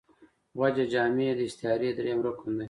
وجه جامع داستعارې درېیم رکن دﺉ.